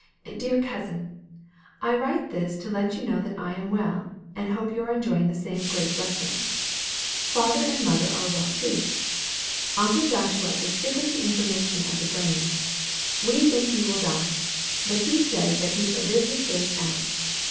"DEAR COUSIN. I write this to let you know that I am well, and hope you are enjoying the same great blessing. Father and Mother are well too. Uncle Joshua is sick of the information of the brain. We think he will die, but he says that he shall live his days out.